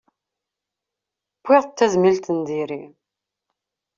Wwiɣ-d tazmilt n diri.